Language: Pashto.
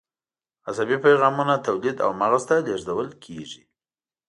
عصبي پیغامونه تولید او مغز ته لیږدول کېږي.